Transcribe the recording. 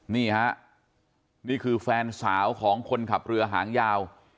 นี่ฮะนี่คือแฟนสาวของคนขับเรือหางยาว